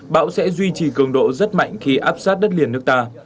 bão sẽ duy trì cường độ rất mạnh khi áp sát đất liền nước ta